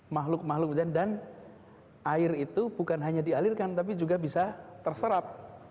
makhluk makhluk dan air itu bukan hanya dialirkan tapi juga bisa terserap